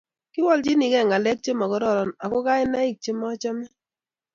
kiwolchinigei ngalek chemagororon ago kainaik chemachame